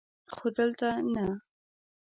خو دلته نه!